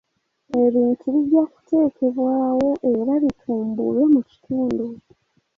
Ebintu bijja kuteekebwawo era bitumbulwe mu kitundu.